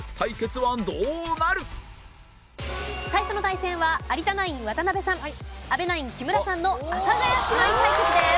最初の対戦は有田ナイン渡辺さん阿部ナイン木村さんの阿佐ヶ谷姉妹対決です。